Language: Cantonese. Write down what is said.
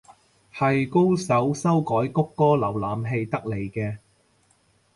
係高手修改谷歌瀏覽器得嚟嘅